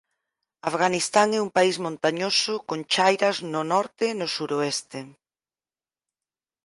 Afganistán é un país montañoso con chairas no norte e no suroeste.